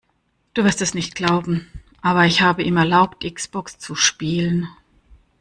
Du wirst es nicht glauben, aber ich habe ihm erlaubt, X-Box zu spielen.